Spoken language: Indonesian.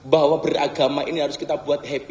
bahwa beragama ini harus kita buat happy